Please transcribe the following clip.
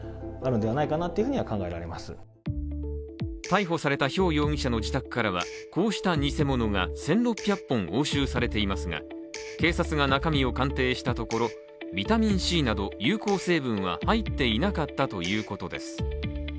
逮捕されたヒョウ容疑者の自宅からはこうした偽物が１６００本押収されていますが警察が中身を鑑定したところ、ビタミンＣなど有効成分は入っていなかったということです。